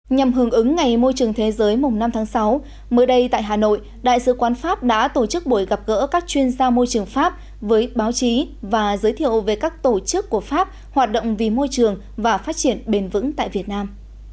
nhằm hưởng ứng ngày môi trường thế giới mùng năm tháng sáu mới đây tại hà nội đại sứ quán pháp đã tổ chức buổi gặp gỡ các chuyên gia môi trường pháp với báo chí và giới thiệu về các tổ chức của pháp hoạt động vì môi trường và phát triển bền vững tại việt nam